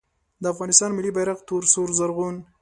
د افغانستان ملي بیرغ تور سور زرغون